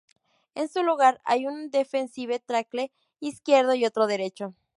En su lugar hay un "defensive tackle" izquierdo y otro derecho.